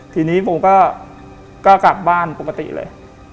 ทีนี้ผมก็กลับบ้านปกติเลย